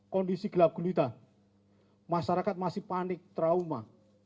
kondisi gelap gulita masyarakat masih panik trauma